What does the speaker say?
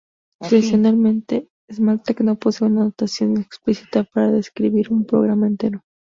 Tradicionalmente, Smalltalk no posee una notación explícita para describir un programa entero.